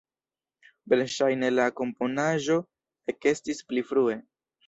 Verŝajne la komponaĵo ekestis pli frue.